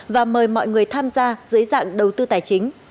và mời mọi người tham gia dưới dạng đầu tư tài chính